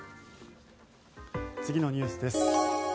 次のニュースです。